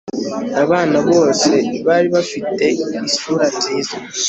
Abana bose bari bafite isura nziza